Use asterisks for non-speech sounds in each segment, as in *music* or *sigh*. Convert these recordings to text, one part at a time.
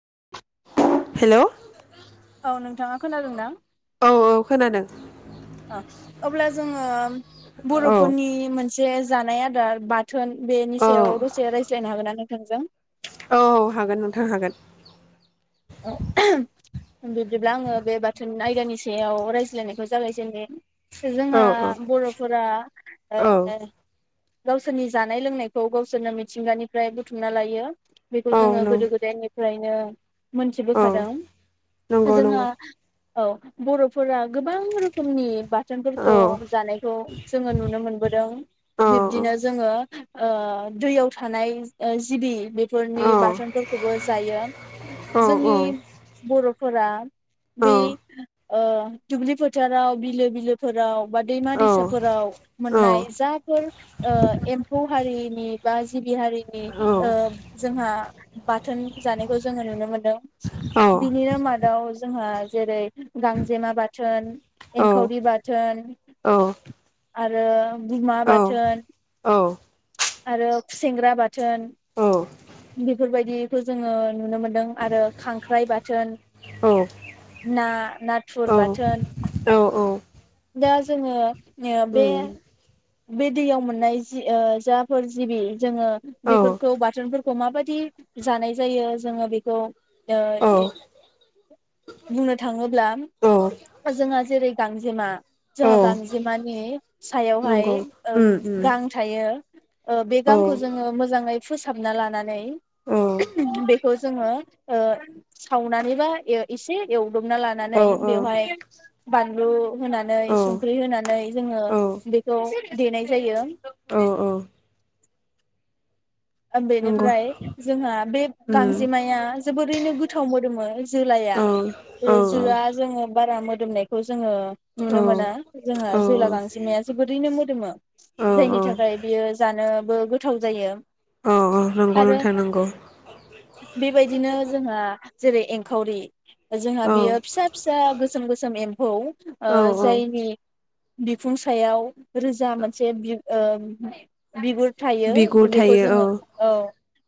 *inaudible* Hello औ नोंथाङा खोनादोंदा औ खोनादों ना ओ अब्ला जोङो औ बर'फोरनि मोनस एसे जानाय आदार बा थोन बेनि औ सायाव दसे रायज्लायनो हागोन ना नों थोंजों औ हागोन नोंथां हागोन औ बिब्दिब्ला आङो बे बाथोन आयदानि सायाव रायज्लायनायखौ जागायजेननि औ जोंहा बर'फोरा ओ औ गावसोरनि जानाय लोंनायखौ गावसोरनो मिथिंगानिफ्राय बुथुमना लायो बेखौ औ जोङो नों गोदो गोदायनिफ्राय बिनो औ मोनथिबोखादों नंगौ जोंहा नंगौ औ बर' फोर गोबां रोखोमनि बाथोनफोरखौ औ जानायखौ जोङो नुनो मोनबोदों औ बिब्दिनो जोङो ओ दैयाव थानाय जिबि बेफोरनि औ बाथोनफोरखौबो जायो औ जोंनि बर' फोरा बे ओ दुब्लि फोथाराव बिलो बिलोफोराव बा दैमा दैसाफोराव औ मोननाय जाफोर ओ एम्फौ हारिनि बा जिबि हारि नि औ ओ जोंहा बाथोन जानायखौ जोङो नुनो मोन दों बिनिनो मादाव जोंहा जेरै गांजेमा बाथोन एंखावरि बाथोन आरो गुमा बाथोन आरो खुसेंग्रा बाथोन बेफोरबायदिखौ जोङो नुनो मोनदों आरो खांख्राइ बाथोन औ ना नाथुर बाथोन औ औ दा जोङो ओ बे बे दैयाव मोननाय ओ जि जाफोर जिबि जोङो औ बेफोरखौ बाथोनफोरखौ माबायदि जानाय जायो जोङो बेखौ ओ औ इ बुंनो थाङोब्ला औ जोंहा जेरै गांजेमा। औ जोंहा गांजेमानि सायावहाय नंगौ उम उम गां थायो। ओ बे औ गांखौ जोङो मोजाङै फोसाबना लानानै औ बेखौ जोङो ओ सावनानैबा ए एसे एव *unintelligible* लानानै औ बेवहाय बानलु होना होनानै औ संख्रि होनानै जोङो औ बेखौ देनाय जायो। औ औ नंगौ बेनिफ्राय जोंहा बे उम गांजेमाया जोबोरैनो गो थाव मोदोमो जोलाआ। औ औ ओ जोआ जोङो बारा मोदोमनायखौ जोङो औ नुनो मोना जोंहा जोला गांजेमाया जोबोरैनो मोदोमो औ जायनि थाखाय बियो जानोबो गोथाव जायो। अ नंगौ आरो नोंथां नंगौ। बेबायदिनो जोंहा जेरै एंखावरि जोंहा औ बियो फिसा फिसा गोसोम गोसोम एम्फौ ओ औ औ जायनि बिखुं सायाव रोजा मोनसे बि ओ बिगुर। थायो बिगुर बेखौ थायो औ। जोङो औ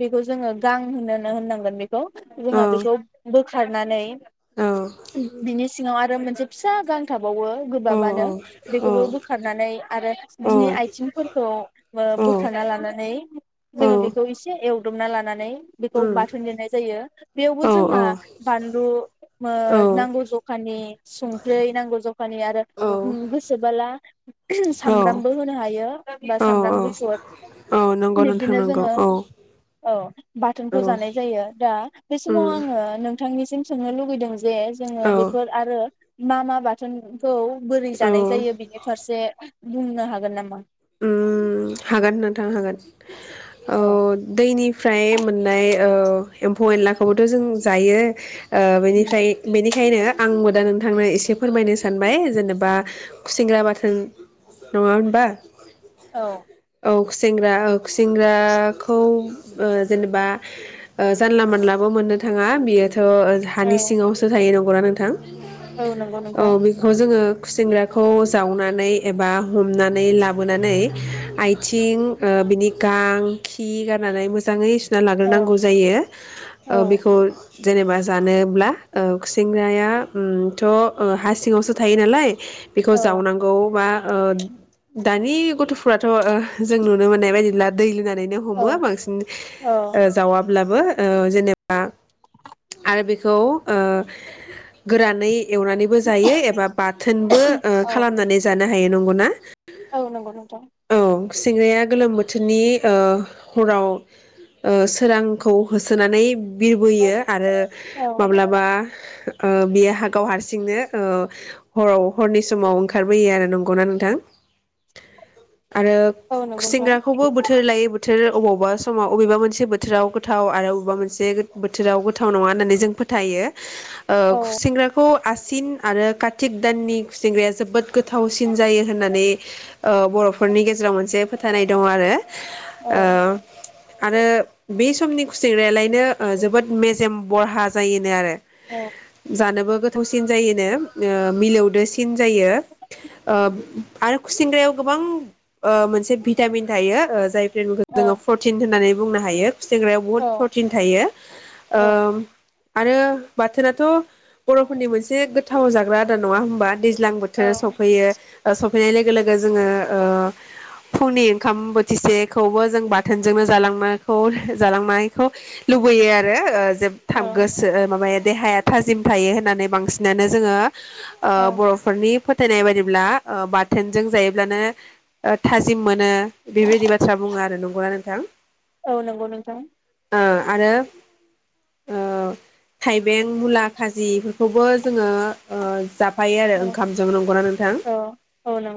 बेखौ जोङो गां होनोनो होननांगोन बेखौ *unintelligible* औ जोंहा बेखौ खारनानै औ बिनि सिङाव आरो मोनसे फिसा गां थाब बावो औ गोबाबानो औ बेखौबो बोखारनानै आरो औ बिनि आथिंफोरखौ औ बोखाना लानानै जोङो बेखौ एसे एवदमना लानानै बेखौ उम बाथोन देनाय जायो बेयावबो औ औ जोंहा बानलु ओ नांगौ जखानि संख्रि नांगौ जखानि आरो उम गोसोबोला सामब्रामबो होनो हायो बा औ सामब्राम गुफुर। औ नंगौ नों बिनो जोङो औ बाथोनखौ औ जानाय जायो दा बे समाव उम आ नोंथां सिम सोंनो लुुबैदों। जे जोङो औ बेफोर आरो मा मा बाथोन खौ बोरै औ जानाय जायो बिनि फारसे बुंनो हागोन नामा? हागोन नोंथां हागोन। औ दैनिफ्राय मोननाय औ एम्फौ एनलाखौबोथ' जों जायो। ओ बेनिफ्राय बेनि खायनो आंबो दा नोंथांनो एसे फोरमायनो सानबाय जेनेबा खुसिंग्रा बाथोन नङा होनबा। औ औ खुसेंग्रा ओ खुसेेंग्राखौ ओ जेनेबा जानला मानलाबो मोननो थाङा बियो थ थ' हानि औ सिङावसो थायो नं नोंगौना नोंथां? औ नंगौ औ नोंथां बेखौ जोङो। खुसेंग्राखौ जावनानै एबा हमनानै लाबो बोनानै आयथिं ओ बिनि गां खि गारनानै मोजाङै सु ना औ लाग्रोनांगौ जायो औ ओ बिखौ जेनेबा जानोब्ला ओ संग्राया ओमथ' हा सिङावसो थायो नालाय बिखौ औ जावनांगौ बा ओ दानि गथ'फुराथ थ' ओह जों नुनो मोननाय बायदिब्ला दै लुना नैनो हमो औ बांसिन औ ओ जावाब्ला। बो ओ जेनेबा आरो बेखौ ओ गोरानै एवनानैबो जायो एबा बाथोनबो ओ औ खालामनानै जानो हायो नंगौना? औ नंगौ नोंथां। गुसेंग्राया गोलोम बोथोरनि ओ हराव ओ सोरांखौ होसोनानै बिरबोयो आरो औ माब्लाबा ओ बियो हागाव हारसिंनो ओ हराव हरनि समाव ओंखारबोयो आरो नों गना नोंथां? आरो औ नंगौ नोंथां खुसेेंग्राखौबो बोथोर लायो बोथो थोर अबावबा समाव अबेबा मोनसे बोथोराव गोथाव आरो अबेबा मोनसे गोद-बोथोराव गोथाव नङा होननानै जों फोथायो। औ खुसेंग्राखौ आसिन आरो कातिक दाननि खुसेंग्राया जोबोद गोथावसिन जायो होननानै औ बर'फोरनि गेजेराव मोनसे फोथायनाय दङ आरो। औ ओ आरो बे समनि खुसेंग्रायालाय नो ओ जोबोद मेजेम बरहा जायोनो आरो। औ जानोबो गोथाव सि *unintelligible* जायोनो ओ मिलौ दोसिन जायो। ओ आरो खुसेंग्रायाव गोबां ओ मोनसे भिटामिन थायो जाय जेनुकु औ जोङो फरटिन होननानै बुंनो हायो। खुसेंग्रायाव बुहुद औ प्रटिन थायो औ ओम आरो बाथोनाथ' बर'फोरनि मोनसे गोथाव जाग्रा आदार नङा होमबा दैज ज्लां बोथोर सौफैयो ओ स' फैनाय लोगो-लोगो जोङो ओ फुंनि ओंखाम बोथिसेखौबो जों बाथोनजोंनो जालांनायखौ-जालांनायखौ लुबैयो आरो ओ जोब थाब गोसो ओ माबा देहाया थाजिम थायो होननानै बांसिनानो जोङो ओ बर'फोरनि फो थायनाय बादिब्ला ओ बा थोनजों जायोब्लानो ओ थाजिम मोनो बेबायदि बाथ्रा बुङो आरो नंगौना नोंथां? औ नोंगौ नोंथां। ओ आरो ओ थाइबें मुला खाजिफोरखौबो जोङो ओ जाब फायो आरो औ ओंखामजों नंगौ ना नोंथां? औ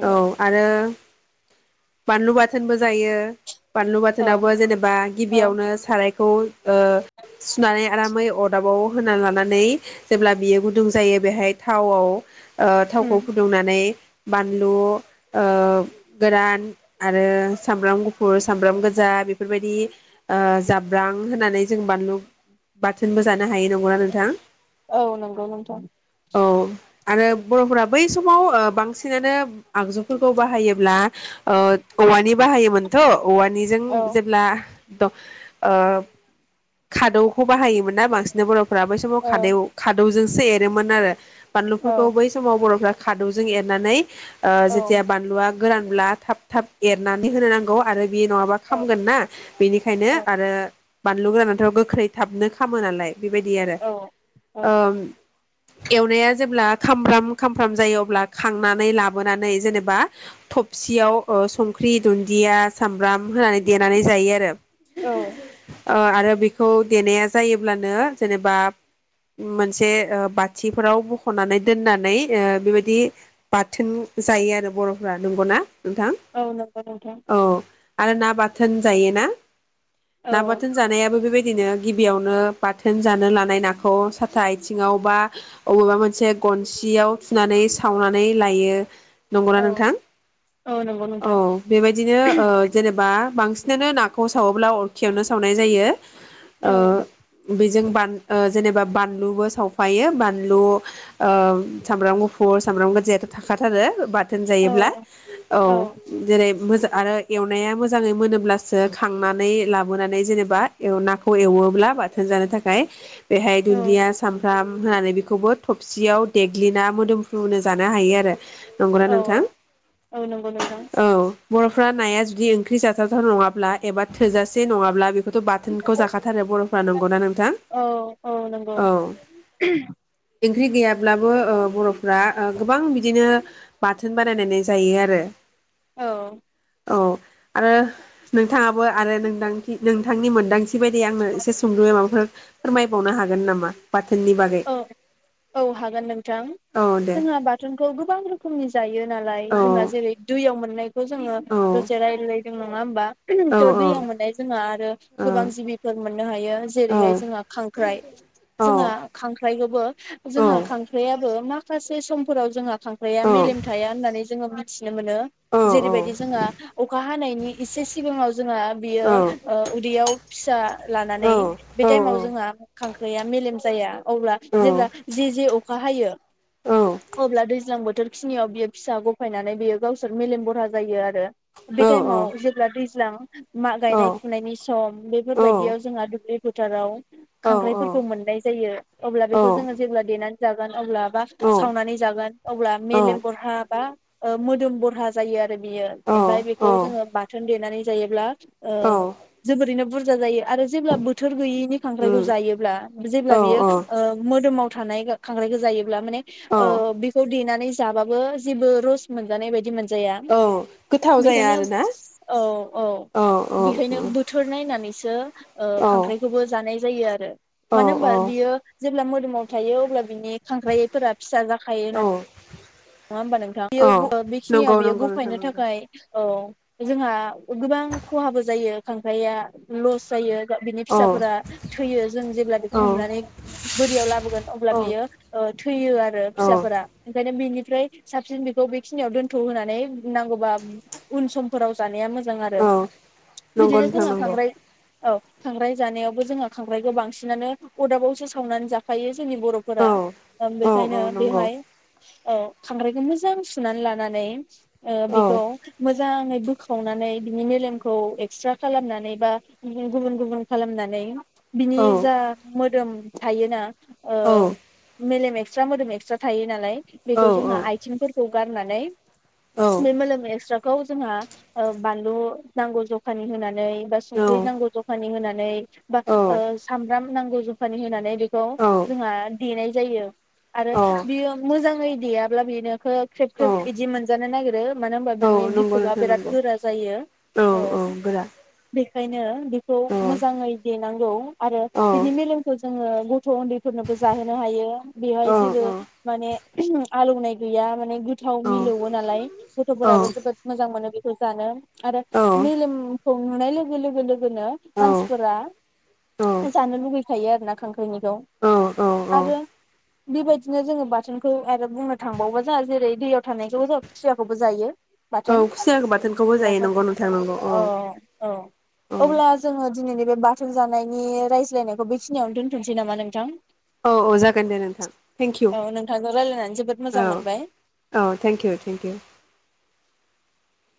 औ आरो ओ बानलु बाथोनबो जायो। बानलु औ बाथोनावबो जेनेबा औ गिबियावनो साराय खौ ओ सुनानै आरामै अदाबाव होना लानानै जेब्ला बियो गुदुं जायो बेहाय थावाव ओ थावखौ उम फुदुंनानै बानलु ओ गोरान आरो सामब्राम गुफुर, सामब्राम गोजा बेफोरबायदि ओ जाब्रां होनानै जों बानलु बाथोनबो जानो हायो। नंगौ ना नोंथां? औ नंगौ नोंथां। औ आरो बर'फोरा बै समाव ओ बांस सिनानो आगजुफोरखौ बाहायोब्ला ओ औवानि बाहायोमोनथ'। औवानिजों औ जेब्ला त' ओ खादौखौ बाहायोमोन ना बांसिना बर' फोरा बै समाव औ खादेव-खादौजोंस सो एरोमोन आरो औ बानलुफोरखौ बै समाव बर'फ्रा खादौजों एर नानै ओ औ जेथिया बानलुआ गोरानब्ला थाब थाब एरनानै होनो नांगौ आरो बे नङाबा औ खामगोन ना बेनिखायनो औ आरो बानलु गोरानाथ' गोख्रै थाबनो खामो नालाय। बेबायदि आरो औ औ ओम। एवनाया जेब्ला खामब्राम खामफ्राम जायो अब्ला खांनानै लाबोनानै जेनेबा थबसियाव ओ संख्रि दुन्दिया सामब्राम होनानै देनानै जायो आरो। औ। ओ आरो बेखौ देनाया जायोब्लानो जेनेबा मोनसे ओ बाथिफोराव बख'नानै दोननानै ओ बेबायदि बाथोन जायो आरो बर'फोरा। नंगौ ना? औ नंगौ नोंथां। आरो ना बाथोन जायो ना? औ ना बाथोन जानायाबो बेबायदि दिनो गिबियावनो बाथोन जानो लानाय नाखौ साथा आथिङाव बा अबेबा मोनसे गनसियाव थुनानै सावना नै लायो। नंगौना औ नोंथां? औ नंगौ औ नोंथां बेबायदिनो ओ जेनेबा बांसिनानो नाखौ सावोब्ला अरखियावनो सावनाय जायो। औ ओ बेजों बान ओ जेनेबा बानलुबो सावफायो बानलु ओ सामब्राम गुफुर सामब्राम गो जे थाखाथारो बाट थोन औ जायोब्ला औ जेरै मोजां आरो एवनाया मोजाङै मोनोब्लासो खांनानै लाबोनानै जेनेबा एव नाखौ एवोब्ला बाथोन जानो थाखाय बेहाय औ दुन्दिया सामफ्राम होनानै बेखौबो थबसियाव देग्लिना मोदोमफ्रुनो जानो हायो आरो। नंगौना औ नोंथां? औ नंगौ नोंथां औ। बर'फ्रा नाया जुदि ओंख्रि जाथावथाव नङाब्ला एबा थोजासे नङाब्ला बे बेथ बाथोनखौ जाखाथारो बर'फ्रा नंगौना नोंथां? औ औ नंगौ औ। ओंख्रि गैयाब्लाबो ओ बर'फ्रा ओ गोबां बिदिनो बाथोन बानायनानै जायो आरो। औ। औ आरो नोंथाङाबो आरो नोंदांथि नोंथांनि मोनदांथि बिबायदि आंनो एसे सुंद'यै माबाफोर फोरमाय बुंबावनो हागोन नामा? बाथोननि बागै औ औ हागोन नोंथां औ दे जोंहा बा थोनखौ गोबां रोखोमनि जायो। नालाय औ जोंहा जेरै दैयाव मोननाय जोङो औ दसे रायलाय जों नङा होमबा। औ थ दैयाव मोननाय जोंहा आरो ओ गोबां जिबिफोर मोननो हायो औ जेरैहाय जोंहा खांख्राइ औ जोंहा। खांख्राइखौबो औ जोङो खांख्राइआबो मा माखासे समफोराव जोंहा खांख्राया औ मेलेम थाया होननानै जोङो मिथि नो मोनो औ औ जेरैबायदि जोंहा अखा हानायनि एसे सिगाङाव जोंहा बियो औ उदैयाव फिसा लानानै बे टाइमाव जोंहा खांख्राइया मेलेम जाया। अब्ला जेब्ला जे जे अखा हायो अब्ला दैज्लां बोथोर खिनियाव बियो फिसा गफायनानै बियो गावसोर मेलेम बरहा जायो आरो बे टाइमाव जेब्ला दै दैज्लां मा गायनाय फुनायनि सम बेफोरबायदियाव जोंहा दुब्लि फोथाराव खांख्राइफोरखौ मोननाय जायो। अब्ला बेखौ जोङो जेब्ला देनानै जागोन अब्ला औ सावनानै जागोन अब्ला औ मेलेम बरहा बा मोदोम बरहा जायो आरो बियो औ ओमफ्राय औ बेखौ जोङो बाथ बाथोन देनानै जायोब्ला ओ औ जोबोरैनो बुरज बुरजा जायो आरो जेब्ला बोथोर गैयि नि उम खांख्राइखौ जायोब्ला औ जेब्ला बियो ओ मोदोमाव थानाय खांख्रायखौ जायोब्ला माने औ ओ बेखौ देनानै जाबाबो जेबो रस मोनजानाय बायदि मोन जाया औ गोथाव जाया बेखायनो आरोना औ औ औ औ बेखायनो बोथोर नायनानैसो औ ओ खांख्राइखौबो जानाय जायो आरो औ मानो होनबा औ बियो जेब्ला मोदोमाव थायो अब्ला बिनि खांख्राइफोरा फिसा जाखो खायो न नङा होमबा नोंथां? औ बेयो बेखिनियाव नंगौ बेयो नंगौ नोंथां गफायनो नंगौ थाखाय औ। जोंहा गोबां खहाबो जायो खांख्राइया लस जायो। बिनि औ फिसाफोरा थैयो जों जेब्ला बेखौ औ हमनानै बोरियाव लाबोगोन अब्ला औ बियो ओ थैयो आरो औ फिसाफोरा। ओंखायनो बिनि ओमफ्राय साबसिन बेखौ बेखिनियाव दोन्थ' होनानै नांगौबा उन समफोराव जानाया मो जां आरो औ नंगौ बिदिनो नोंथां जोङो नंगौ खांख्राइ औ खांख्राइ जानायावबो जोंहा खांख्राइखौ बांसिनानो अदाबावसो सावनानै जाखायो जोंनि बर'फोरा। औ *unintelligible* औ औ ओंखायनो नंगौ बेहाय औ। खांख्राइखौ मोजां सुनानै लानानै ओ औ बेखौ मोजाङै बोखावनानै बिनि मेलेमखौ एक्सट्रा खालामनानै बा गुबुन गुबुन खालामनानै बिनि औ जा मोदोम थायोना ओ औ मेलेम एक्सट्रा मोदोम एक्सट्रा थायो नालाय। औ खौ जोंहा आइथिंफोर खौ गारनानै औ *unintelligible* खौ जोंहा ओ बानलु नांगौ जखानि होनानै बा औ संख्रि नांगौ जखानि होनानै बा ओ औ सामब्राम नांगौ जखानि होनानै बेखौ औ जोंहा देनाय जायो। आरो बियो मोजाङै देयाब्ला बिदिनो खो ख्रेब ख्रेब बिदि मोनजानो नागिरो। मानो होनबा बिनि नंगौ बिख'बा नोंथां बिराद नंगौ गोरा जायो। औ बे ओंखायनो बेखौ औ मोजाङै देनांगौ आरो औ बिनि मेलेमखौ जोङो गथ' उन्दैफोरनोबो जाहोनो हायो। बेहाय औ जेबो माने आलौनाय गैया माने गोथाव औ औ मिलौवो नालाय औ गथ'फोराबो जोबोद मोजां मोनो बे खो जानो। आरो मेलेम खौ नुनाय लोगो लोगो लोगोनो औ मानसिफोरा जानो लुगैखायो आरोना खांख्राइनिखौ औ आरो बेबादिनो जोङो बाथोनखौ आरो बुंनो थांबावबा जाहा जेरै दैयाव थानायखौबो *inaudible* खुसियाखौबो जायो। औ बाथोन खुसियाखौ बाथोनखौबो जायो खुसियाफोर। नंगौ नोंथां नंगौ औ औ औ अब्ला जोङो दिनैनि बे बाथोन जानायनि रायज्लायनायखौ बेखिनियावनो दोनथ'नोसै नामा नोंथां? औ अ जागोन दे नोंथां थेंक इउ। औ नोंथांजों रायलायनानै जोबोद मोजां औ मोनबाय औ थेंक इउ थेंक इउ।